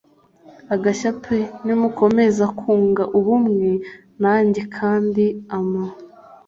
agashya p Nimukomeza kunga ubumwe nanjye kandi ama